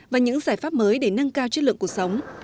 và những giải pháp mới để nâng cao chất lượng cuộc sống